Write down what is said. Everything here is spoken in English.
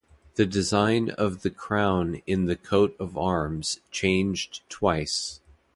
The design of the Crown in the coat of arms changed twice.